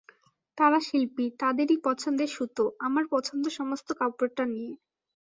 তারা শিল্পী, তাদেরই পছন্দে সুতো, আমার পছন্দ সমস্ত কাপড়টা নিয়ে।